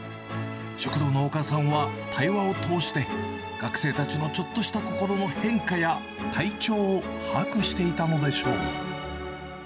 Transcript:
食堂のお母さんは、会話を通して、学生たちのちょっとした心の変化や、体調を把握していたのでしょう。